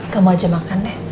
kamu aja makan deh